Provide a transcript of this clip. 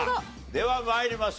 では参りましょう。